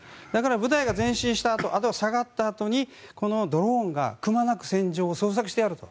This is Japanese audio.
部隊が前進したあとあとは下がったあとにこのドローンがくまなく捜索してやると。